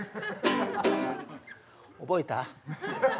覚えた？